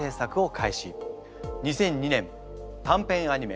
２００２年短編アニメ